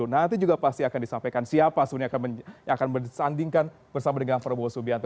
nanti juga pasti akan disampaikan siapa sebenarnya yang akan bersandingkan bersama dengan prabowo subianto